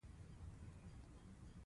سیم په منظم ډول په میخ تاو کړئ.